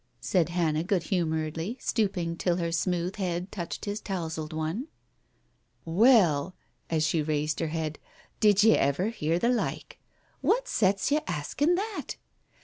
said Hannah good humouredly, stooping, till her smooth head touched his touzled one. "Well!" — as she raised her head — "did ye ever hear the like? What sets ye asking that?